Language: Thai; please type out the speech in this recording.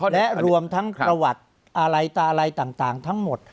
และรวมทั้งประวัติอะไรตาอะไรต่างทั้งหมด